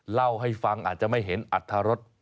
เล่าให้ฟังอาจจะไม่เห็นอัตรรส